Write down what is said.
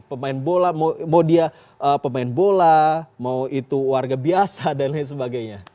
pemain bola mau dia pemain bola mau itu warga biasa dan lain sebagainya